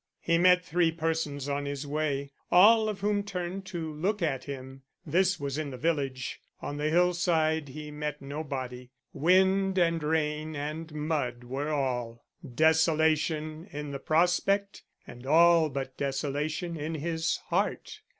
He met three persons on his way, all of whom turned to look at him. This was in the village. On the hillside he met nobody. Wind and rain and mud were all; desolation in the prospect and all but desolation in his heart.